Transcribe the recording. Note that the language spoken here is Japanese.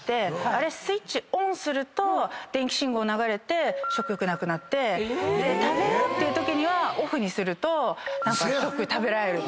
スイッチオンすると電気信号流れて食欲なくなって食べようってときにＯＦＦにすると食べられるっていう。